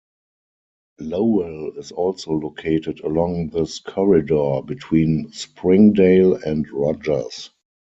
Lowell is also located along this corridor, between Springdale and Rogers.